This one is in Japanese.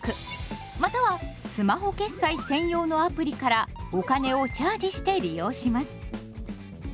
またはスマホ決済専用のアプリからお金をチャージして利用します。